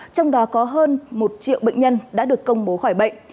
trong đó có hơn một triệu bệnh nhân đã được công bố khỏi bệnh